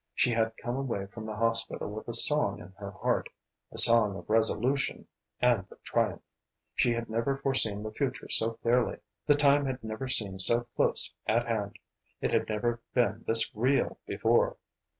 She had come away from the hospital with a song in her heart; a song of resolution and of triumph. She had never foreseen the future so clearly; the time had never seemed so close at hand; it had never been this real before.